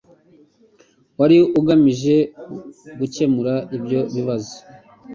wari ugamije gukemura ibyo bibazo